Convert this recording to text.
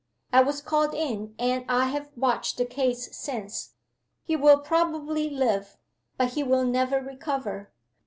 I was called in and I have watched the case since. He will probably live, but he will never recover.